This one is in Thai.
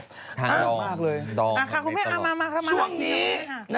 ทางด่วนมากเลยทางด่วน